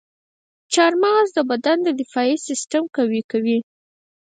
چارمغز د بدن دفاعي سیستم قوي کوي.